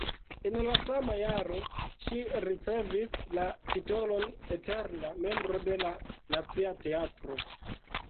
En la sama jaro ŝi ricevis la titolon eterna membro de la Nacia Teatro.